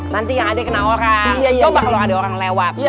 nanti yang ada yang kena orang coba kalau ada orang lewat